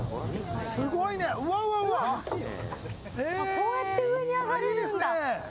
こうやって上に上がれるんだ！